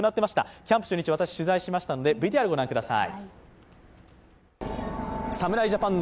キャンプ初日を取材しましたので、ＶＴＲをご覧ください。